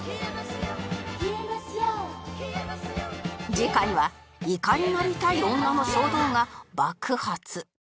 次回はいかになりたい女の衝動が爆発！